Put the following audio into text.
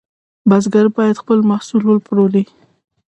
بزګر باید خپل محصول وپلوري.